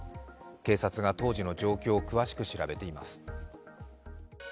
警察が当時の状況を詳しく調べています。